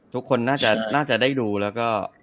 ทุกคนน่าจะได้ดูแล้วก็